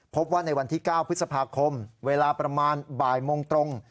พบว่าในวันที่๙พฤษภาคมเวลาประมาณบ่ายโมงตรง